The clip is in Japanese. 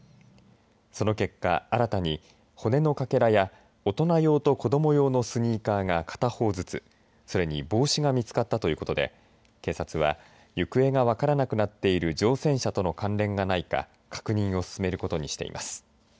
その結果、新たに骨のかけらや大人用と子ども用のスニーカーが片方ずつそれに帽子が見つかったということで警察は行方が分からなくなっている乗船者との関連がないか確認を進めることにしています。